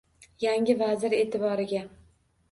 Yangi vazir e’tiboriga.